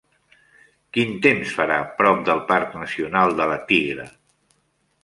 Quin temps serà prop del parc nacional de La Tigra?